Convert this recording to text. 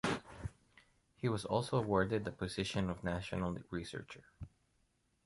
He was also awarded the position of national researcher.